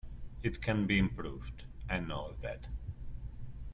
It can be improved; I know that.